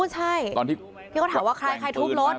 ใช่พี่เขาถามว่าใครทุบรถ